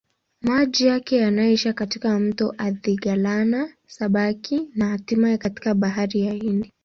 Maji yake yanaishia katika mto Athi-Galana-Sabaki na hatimaye katika Bahari ya Hindi.